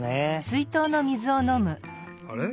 あれ？